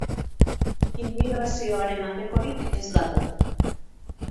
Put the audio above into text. Inmigrazioaren aldekorik ez dago.